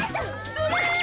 それ。